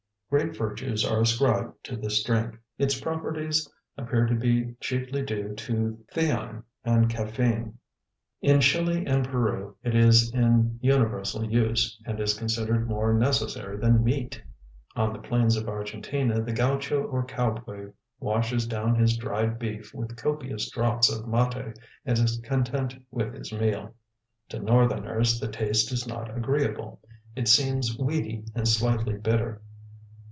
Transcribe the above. Great virtues are ascribed to this drink. Its properties appear to be chiefly due to theine and caffeine. In Chili and Peru it is in universal use, and is considered more necessary than meat. On the plains of Argentina the gaucho or cowboy washes down his dried beef with copious draughts of mate and is content with his meal. To northerners the taste is not agreeable. It seems weedy and slightly bitter.